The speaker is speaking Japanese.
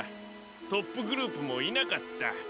トップグループもいなかった。